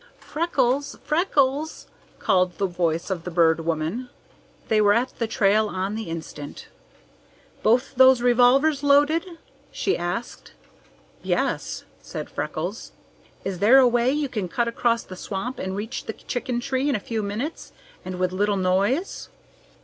"Freckles! Freckles!" called the voice of the Bird Woman. They were at the trail on the instant. "Both those revolvers loaded?" she asked. "Yes," said Freckles. "Is there a way you can cut across the swamp and reach the chicken tree in a few minutes, and with little noise?"